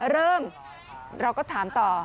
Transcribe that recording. เริ่มเราก็ถามต่อ